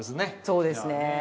そうですね。